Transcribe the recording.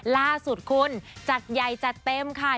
ล่าสุดคุณจัดใหญ่จัดเต็มค่ะ